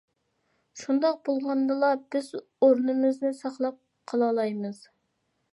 شۇنداق بولغاندىلا بىز ئورنىمىزنى ساقلاپ قالالايمىز.